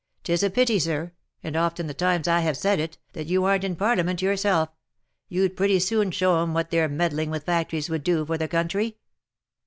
" 'Tis a pity, sir, and often's the time I have said it, that you arn't in parliament yourself — you'd pretty soon show 'em what their meddling with fac tories would do for the country."